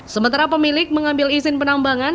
sementara pemilik mengambil izin penambangan